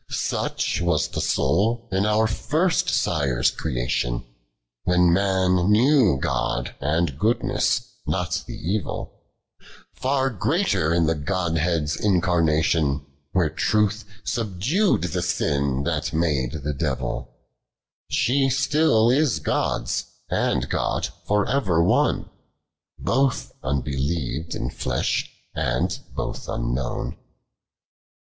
49. Such was the soul in our first sire*8 creation. When man knew God and goodness, not the evil : Far greater in the Godhead's incarnation, Where Truth subdu'd the sin that made the devil ; She still is God's, and God for ever one, Both unbeliev'd in flesh, and both unknown.